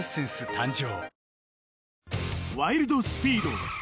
誕生